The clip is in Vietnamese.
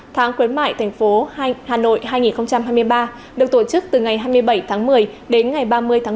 tháng khuyến mại thành phố hà nội hai nghìn hai mươi ba được tổ chức từ ngày hai mươi bảy tháng một mươi đến ngày ba mươi tháng một mươi